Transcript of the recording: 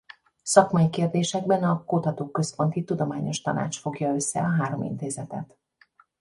Szakmai kérdésekben a Kutatóközponti Tudományos Tanács fogja össze a három intézetet.